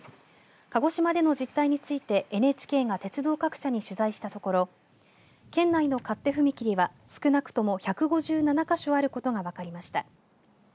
鹿児島での実態についてＮＨＫが鉄道各社に取材したところ県内の勝手踏切は、少なくとも１５７か所あることが分かりました。